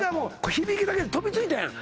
響きだけで飛びついたやん